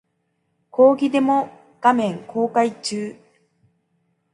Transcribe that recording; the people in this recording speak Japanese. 講義デモ画面公開中